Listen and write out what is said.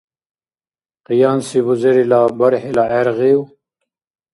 Къиянси бузерила бархӀила гӀергъив?